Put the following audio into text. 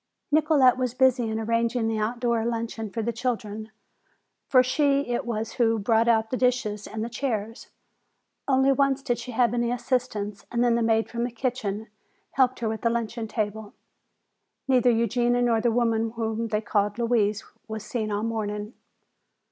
Nicolete was busy in arranging the outdoor luncheon for the children. For she it was who brought out the dishes and the chairs. Only once did she have any assistance and then the maid from the kitchen helped her with the luncheon table. Neither Eugenia nor the woman whom they called "Louise" was seen all morning.